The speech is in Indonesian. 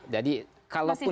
jadi kalau pun